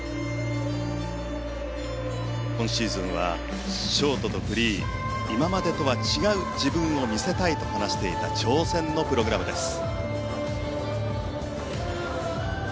今シーズンはショートとフリー今までとは違う自分を見せたいと話していた挑戦のプログラムです。